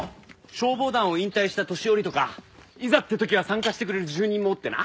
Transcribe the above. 消防団を引退した年寄りとかいざって時は参加してくれる住人もおってな。